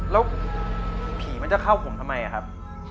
แล้วผีมันจะเข้าผมทำไมครับ